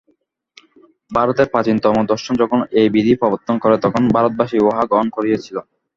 ভারতের প্রাচীনতম দর্শন যখন এই বিধি প্রবর্তন করে, তখনই ভারতবাসী উহা গ্রহণ করিয়াছিল।